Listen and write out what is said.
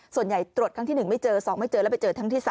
ส่วนใหญ่ตรวจทั้งที่๑ไม่เจอ๒ไม่เจอแล้วไปเจอทั้งที่๓